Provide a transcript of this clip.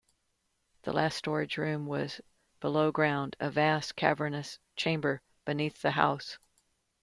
The last storage room was below ground, a vast, cavernous chamber beneath the house.